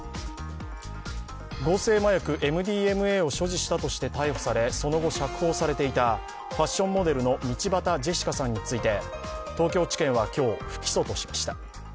合成麻薬ＭＤＭＡを所持したとして逮捕され、その後釈放されていた、ファッションモデルの道端ジェシカさんについて東京地検は、今日、不起訴としました。